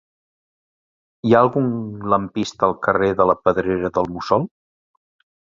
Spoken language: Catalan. Hi ha algun lampista al carrer de la Pedrera del Mussol?